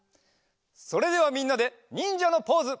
それではみんなでにんじゃのポーズ！